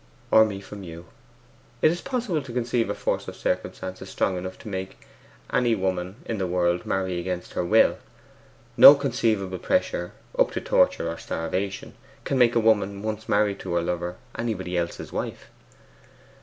'Or me from you. It is possible to conceive a force of circumstance strong enough to make any woman in the world marry against her will: no conceivable pressure, up to torture or starvation, can make a woman once married to her lover anybody else's wife.